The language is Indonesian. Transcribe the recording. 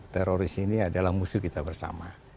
teroris ini adalah musuh kita bersama